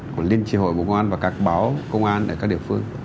của liên tri hội bộ công an và các báo công an tại các địa phương